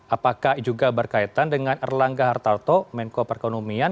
apakah juga berkaitan dengan erlangga hartarto menko perekonomian